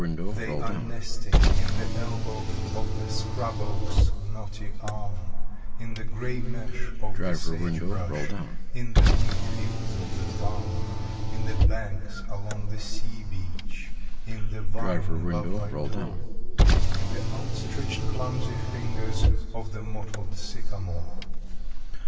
They are nesting in the elbow Of the scrub oak's knotty arm, In the gray mesh of the sage brush, In the wheat fields of the farm; In the banks along the sea beach, In the vine above my door, In the outstretched clumsy fingers Of the mottled sycamore.